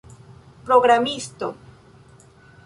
programisto